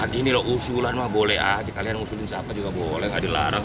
gini loh usulan mah boleh aja kalian usulin siapa juga boleh nggak dilarang